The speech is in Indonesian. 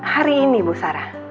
hari ini bu sarah